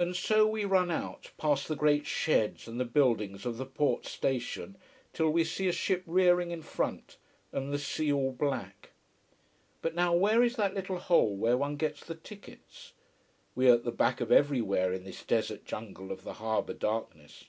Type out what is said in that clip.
And so we run out past the great sheds and the buildings of the port station, till we see a ship rearing in front, and the sea all black. But now where is that little hole where one gets the tickets? We are at the back of everywhere in this desert jungle of the harbour darkness.